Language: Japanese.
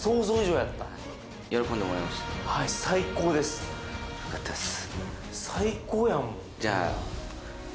はいよかったです